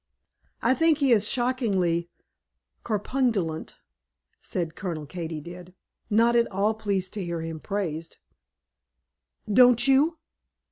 "I think he is shockingly corpulent," said Colonel Katy did, not at all pleased to hear him praised, "don't you?"